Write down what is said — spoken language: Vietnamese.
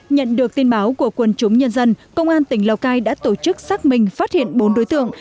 nhận được tin báo của quân chúng nhân dân công an tỉnh lào cai đã tổ chức xác minh phát hiện bốn đối tượng